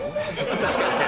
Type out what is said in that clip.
確かにね。